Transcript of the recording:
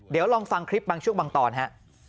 เดี๋ยวลองฟังคลิปบางช่วงบางตอนฮะ